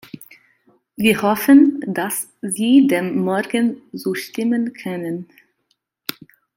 Wir hoffen, dass Sie dem morgen zustimmen können.